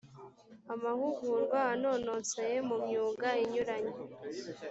amahugurwa anononsoye mu myuga inyuranye